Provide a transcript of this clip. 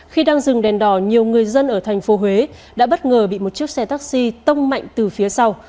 khi đang dừng đèn đỏ nhiều người dân ở thành phố huế đã bất ngờ bị một chiếc xe taxi tông mạnh từ phía sau